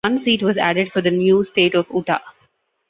One seat was added for the new State of Utah.